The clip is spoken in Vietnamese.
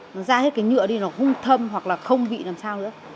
nó ra hết cái nhựa đi nó hung thâm hoặc là không vị làm sao nữa